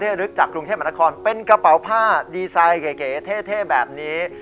ที่จะรึกจากกรุงเทพมนาคอลเป็นกระเป๋าผ้าดีไซน์เก๋เก๋เท่เท่แบบนี้